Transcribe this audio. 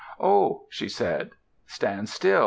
"Oh!" she said. "Stand still.